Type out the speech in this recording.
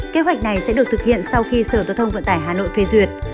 kế hoạch này sẽ được thực hiện sau khi sở giao thông vận tải hà nội phê duyệt